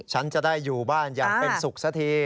ฉันจะได้อยู่บ้านอย่างเป็นสุขสักที